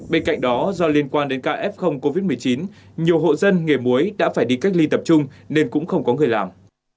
bên cạnh đó do liên quan đến ca f covid một mươi chín nhiều hộ dân nghề muối đã phải đi cách ly tập trung nên cũng không có người làm